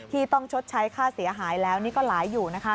ที่ต้องชดใช้ค่าเสียหายแล้วนี่ก็หลายอยู่นะคะ